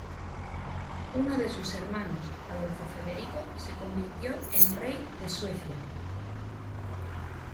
Uno de sus hermanos, Adolfo Federico se convirtió en rey de Suecia.